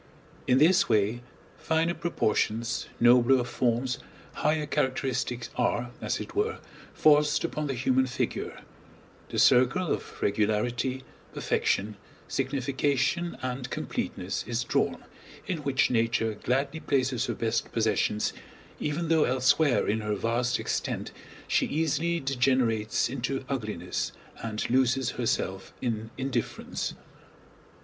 In this way finer proportions, nobler forms, higher characteristics are, as it were, forced upon the human figure; the circle of regularity, perfection, signification, and completeness is drawn, in which Nature gladly places her best possessions even though elsewhere in her vast extent she easily degenerates into ugliness and loses herself in indifference.